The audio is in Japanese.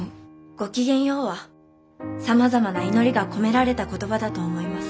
「ごきげんよう」はさまざまな祈りが込められた言葉だと思います。